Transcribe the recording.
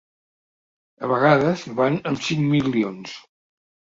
A vegades van amb cinc milions.